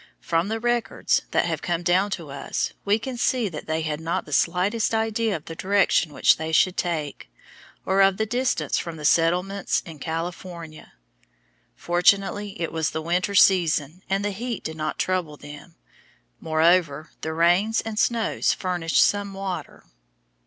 From the records that have come down to us we can see that they had not the slightest idea of the direction which they should take or of their distance from the settlements in California. Fortunately it was the winter season and the heat did not trouble them; moreover, the rains and snows furnished some water.